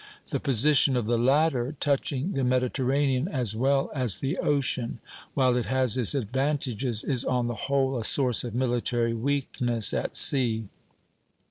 The position of the latter, touching the Mediterranean as well as the ocean, while it has its advantages, is on the whole a source of military weakness at sea.